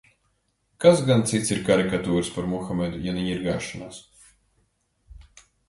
Kas gan cits ir karikatūras par Muhamedu, ja ne ņirgāšanās?